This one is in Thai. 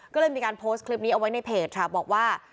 ก็เลยมีการโพสต์คลิปนี้เอาไว้ในเพจค่ะบอกว่า